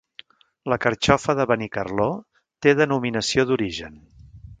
La carxofa de Benicarló té denominació d'origen.